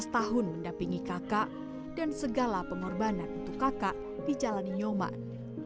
tujuh belas tahun mendapingi kakak dan segala pengorbanan untuk kakak dijalani nyoman